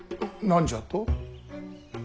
何じゃと？